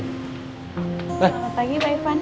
selamat pagi pak irfan